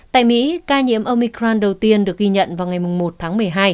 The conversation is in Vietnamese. tại mỹ ca nhiễm omicram đầu tiên được ghi nhận vào ngày một tháng một mươi hai